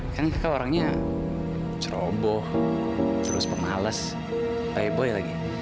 kan kakak orangnya ceroboh terus pemales bye bye lagi